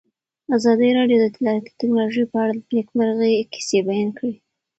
ازادي راډیو د اطلاعاتی تکنالوژي په اړه د نېکمرغۍ کیسې بیان کړې.